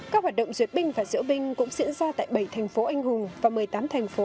các hoạt động duyệt binh và diễu binh cũng diễn ra tại bảy thành phố anh hùng và một mươi tám thành phố